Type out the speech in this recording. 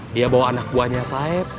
dia bawa anak buahnya saib